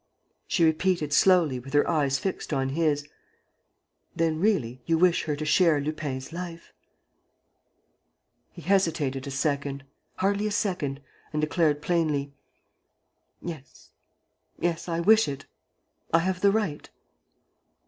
She repeated, slowly, with her eyes fixed on his: "Then, really, you wish her to share Lupin's life?" He hesitated a second, hardly a second, and declared, plainly: "Yes, yes, I wish it, I have the right."